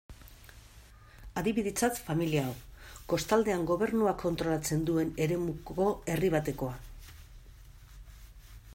Adibidetzat, familia hau, kostaldean gobernuak kontrolatzen duen eremuko herri batekoa.